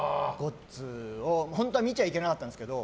本当は見ちゃいけなかったんですけど。